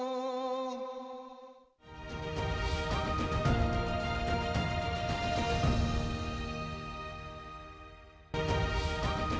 assalatu wassalamu alaikum